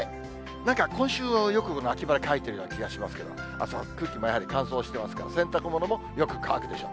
なんか今週、よくこの秋晴れ書いているような気がしますけど、あすは空気もやはり乾燥してますから、洗濯物もよく乾くでしょう。